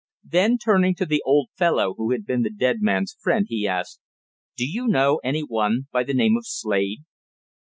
Then, turning to the old fellow who had been the dead man's friend, he asked: "Do you know anyone by the name of Slade?"